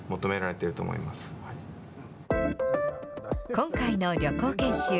今回の旅行研修。